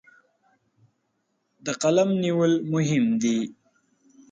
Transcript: د قلم نیول مهم دي.